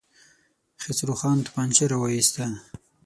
خسرو خان توپانچه را وايسته.